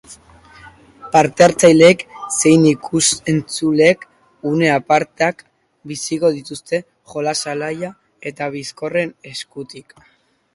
Parte-hartzaileek zein ikus-entzuleek une apartak biziko dituzte jolas alai eta bizkorren eskutik.